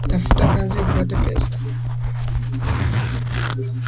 Tafuta kazi upate pesa